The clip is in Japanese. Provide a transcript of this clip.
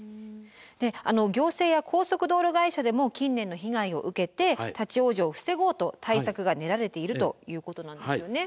で行政や高速道路会社でも近年の被害を受けて立往生を防ごうと対策が練られているということなんですよね。